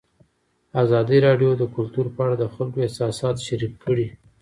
ازادي راډیو د کلتور په اړه د خلکو احساسات شریک کړي.